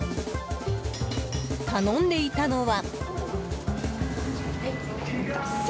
頼んでいたのは。